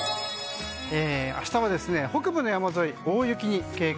明日は北部の山沿いは大雪に警戒。